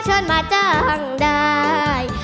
เชิญมาจ้างได้